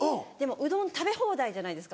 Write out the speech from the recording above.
うどん食べ放題じゃないですか